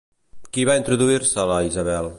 Qui va introduir-se a la Isabel?